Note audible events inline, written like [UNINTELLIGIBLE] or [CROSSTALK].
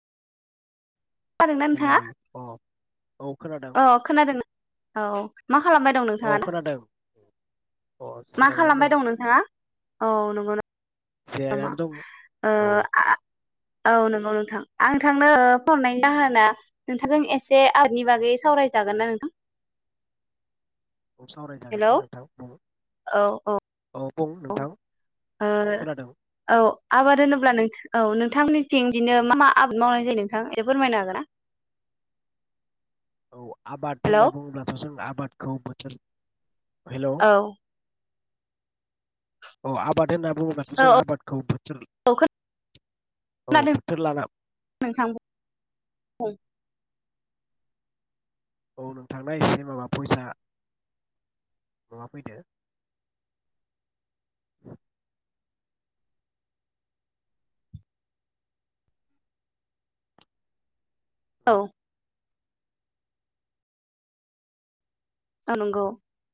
खोनादोंना हेलौ नोंथाङा अ औ खोनादों औ खोनादोंना औ मा खालामबाय दं औ नोंथाङा दा? खोनादों अ मा जिरायनानै खालामबाय दं नोंथाङा औ नंगौ नामा? जिरायनानै दं ओ औ आ औ नोंगौ। आं नोंथांनो फननाय हरनायनि जाहोना नोंथांजों एसे आउतनि बागै सावरायजागोन ना नोंथां? औ सावराय जागोन हेलौ दे नोंथां बुं औ औ। बुं औ नोंथां ओ खोनादों औ आबाद होनोब्ला नोंथां औ नोंथांनिथिं बिदिनो मा मा आबाद मावनाय जायो नोंथां एसे फोरमायनो हागोन ना? औ आबाद हेलौ होनना बुङोब्लाथ' जों आबा आबादखौ बोथोर हेल'। औ अ आबाद होनना बुङोब्लाथ' औ जों आबादखौबो औ [UNINTELLIGIBLE] खोनादों नोंथां बुं। औ नोंथांना एसे माबा भयेसा माबा फैदो। र' औ। औ नंगौ।